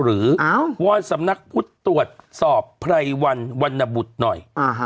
หรือว่าสำนักตรวจสอบพลัยวันวรรณบุตรหน่อย